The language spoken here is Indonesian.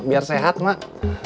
biar sehat mak